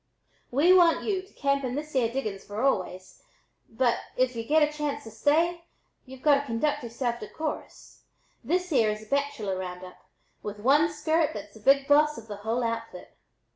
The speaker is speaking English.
We want y'u to camp in this yere diggins for always, but, if y'u get a chance to stay, y'u've got to conduct yereself decorus. This yere is a bachelor round up with one skirt that's the big boss of the whole outfit.